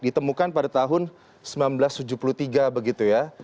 ditemukan pada tahun seribu sembilan ratus tujuh puluh tiga begitu ya